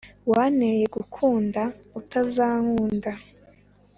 Wanteye gukunda utazankunda